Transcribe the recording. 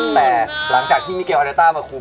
แต่หลังจากที่มิเกลอาเดลต้ามาคุม